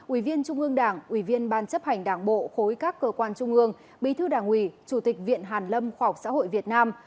ủy viên trung ương đảng ủy viên ban chấp hành đảng bộ khối các cơ quan trung ương bí thư đảng ủy chủ tịch viện hàn lâm khoa học xã hội việt nam